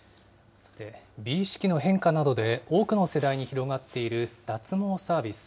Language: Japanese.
さて美意識の変化などで、多くの世代に広がっている脱毛サービス。